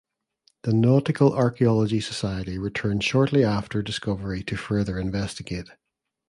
The Nautical Archaeology Society returned shortly after discovery to further investigate.